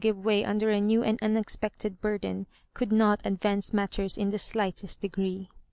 e way under a new and unexpected burden, could not advance mat ters in the slightest degree.